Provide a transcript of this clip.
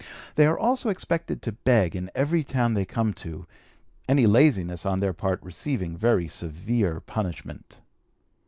They are also expected to beg in every town they come to, any laziness on their part receiving very severe punishment.